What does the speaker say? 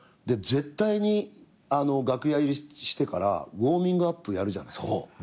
で絶対に楽屋入りしてからウオーミングアップやるじゃない。